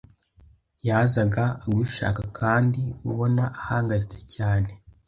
yazaga agushaka kandi ubona ahangayitse cyane.